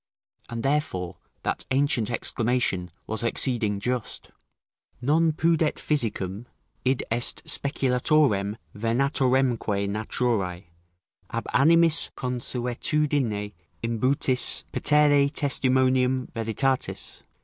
And therefore that ancient exclamation was exceeding just: "Non pudet physicum, id est speculatorem venatoremque naturae, ab animis consuetudine imbutis petere testimonium veritatis?"